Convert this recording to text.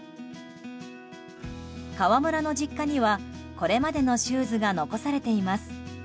河村の実家にはこれまでのシューズが残されています。